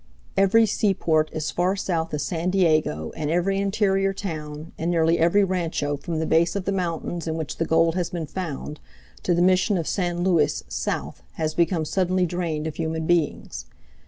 Every seaport as far south as San Diego, and every interior town, and nearly every rancho from the base of the mountains in which the gold has been found, to the Mission of San Luis, south, has become suddenly drained of human beings.